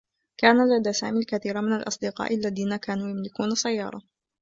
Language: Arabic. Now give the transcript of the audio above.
كان لدى سامي الكثير من الأصدقاء الذين كانوا يملكون سيّارة.